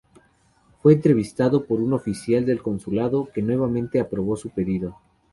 Fue entrevistado por un oficial del consulado, que nuevamente, aprobó su pedido.